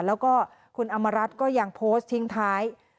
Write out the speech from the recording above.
แล้วก็คุณอำมารัฐก็ยังโพสต์ทิ้งท้าย